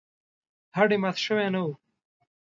هډ یې مات شوی نه و.